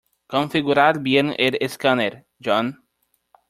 Configurar bien el escáner, John.